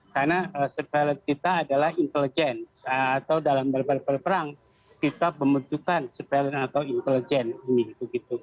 karena surveillance kita adalah intelijen atau dalam beberapa perang kita membutuhkan surveillance atau intelijen ini